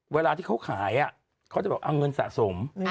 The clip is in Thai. เวลาที่เขาขายเขาจะบอกเอาเงินสะสม